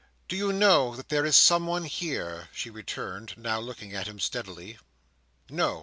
"Do you know that there is someone here?" she returned, now looking at him steadily. "No!